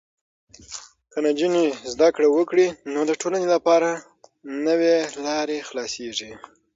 که نجونې زده کړه وکړي، نو د ټولنې لپاره نوې لارې خلاصېږي.